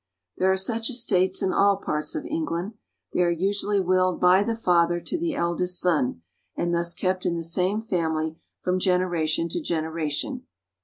There are such estates in all parts of England. They are usually willed by the father to the eldest son, and thus kept in the same family from generation to generation.